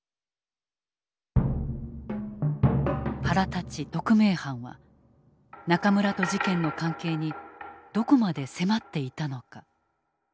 原たち特命班は中村と事件の関係にどこまで迫っていたのか？